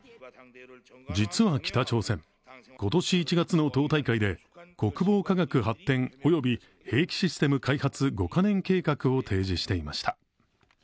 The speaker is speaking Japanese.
実は北朝鮮、今年１月の党大会で国防科学発展および兵器システム開発５カ年計画を提示していました。